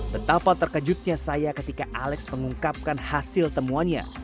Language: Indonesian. betapa terkejutnya saya ketika alex mengungkapkan hasil temuannya